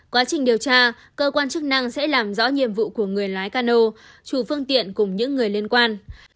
quá trình điều tra cơ quan chức năng sẽ làm rõ nhiệm vụ của người lái cano chủ phương tiện cùng những người liên quan